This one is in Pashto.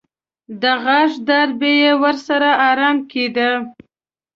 د غاښ درد به یې ورسره ارام کېده.